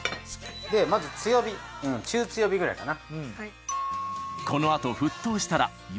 でまず強火中強火くらいかな。